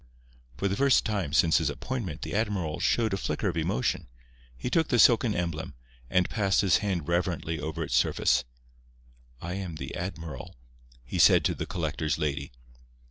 For the first time since his appointment the admiral showed a flicker of emotion. He took the silken emblem, and passed his hand reverently over its surface. "I am the admiral," he said to the collector's lady.